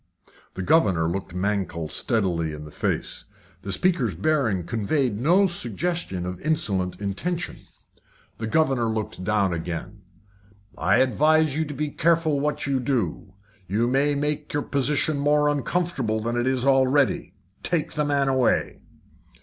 The governor looked Mankell steadily in the face. The speaker's bearing conveyed no suggestion of insolent intention. The governor looked down again. "I advise you to be careful what you do. You may make your position more uncomfortable than it is already. Take the man away."